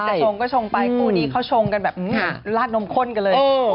ชงก็ชงไปคู่นี้เขาชงกันแบบลาดนมข้นกันเลย